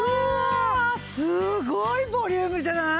すごいボリュームじゃない？